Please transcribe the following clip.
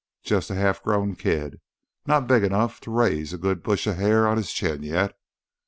Jus' a half growed kid, not big 'nough to raise a good brush o' hair on his chin yet.